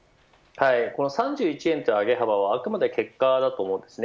この３１円という上げ幅はあくまで結果だと思います。